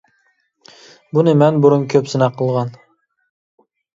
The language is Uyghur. بۇنى مەن بۇرۇن كۆپ سىناق قىلغان.